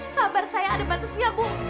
sabar saya ada batasnya bu